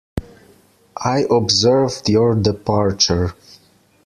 I observed your departure.